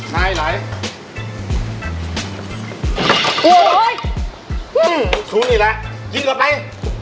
มือซุ่นอีกแล้วอินกว่าไป